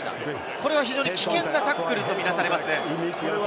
これは非常に危険なタックルとみなされます。